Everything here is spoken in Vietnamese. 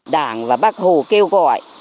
đảng và bắc hồ kêu gọi